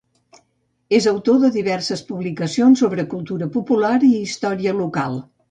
És autor de diverses publicacions sobre cultura popular i història local.